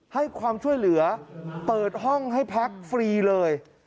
ให้ความช่วยเหลือเปิดห้องให้พักฟรีเลย